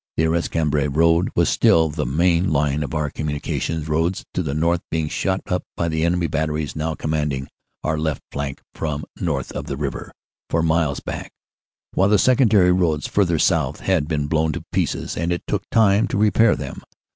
The Arras Cambrai road was still the main line of our com munications, roads to the north being shot up by enemy bat AFTER THE BATTLE 173 teries now commanding our left flank from north of the river for miles back, while the secondary roads further south had been blown to pieces and it took time to repair them.